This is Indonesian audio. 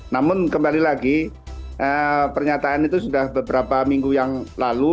namun kembali lagi pernyataan itu sudah beberapa minggu yang lalu